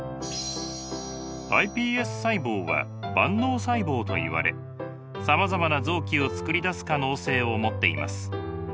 ｉＰＳ細胞は万能細胞といわれさまざまな臓器をつくり出す可能性を持っています。